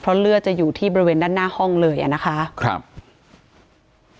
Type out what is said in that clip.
เพราะเลือดจะอยู่ที่บริเวณด้านหน้าห้องเลยอ่ะนะคะครับ